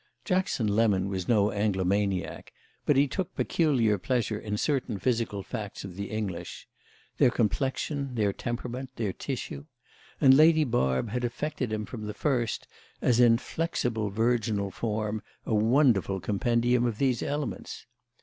Jackson Lemon was no Anglomaniac, but he took peculiar pleasure in certain physical facts of the English—their complexion, their temperament, their tissue; and Lady Barb had affected him from the first as in flexible virginal form a wonderful compendium of these elements.